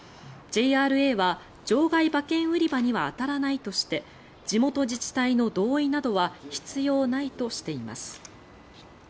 ＪＲＡは場外馬券売り場には当たらないとして地元自治体の同意などは必要ないとしています。